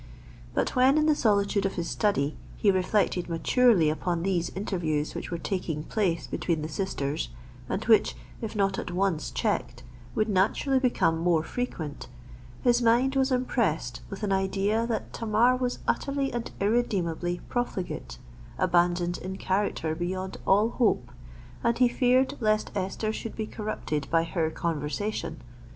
But, when in the solitude of his study, he reflected maturely upon these interviews which were taking place between the sisters, and which, if not at once checked, would naturally become more frequent, his mind was impressed with an idea that Tamar was utterly and irredeemably profligate—abandoned in character beyond all hope: and he feared lest Esther should be corrupted by her conversation.